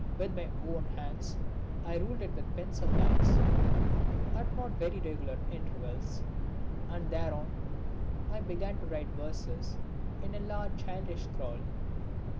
With my own hands I ruled it with pencil lines, at not very regular intervals, and thereon I began to write verses in a large childish scrawl.